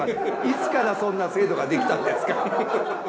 いつからそんな制度ができたんですか？